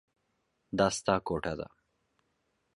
دا ستا کوټه ده.